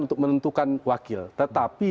untuk menentukan wakil tetapi